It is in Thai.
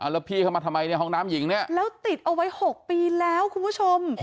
แล้วพี่เข้ามาทำไมในห้องน้ำหญิงเนี่ยแล้วติดเอาไว้๖ปีแล้วคุณผู้ชม